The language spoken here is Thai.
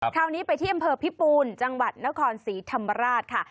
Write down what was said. คราวนี้ไปที่อำเภอพิปูนจังหวัดนครศรีธรรมราชค่ะ